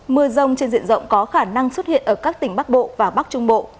mưa rông trên diện rộng có khả năng xuất hiện ở các tỉnh bắc bộ và bắc trung bộ